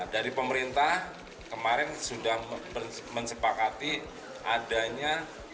dari pemerintah kemarin sudah mensepakati adanya